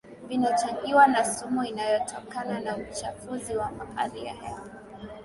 Vinachangiwa na sumu inayotokana na uchafuzi wa hali ya hewa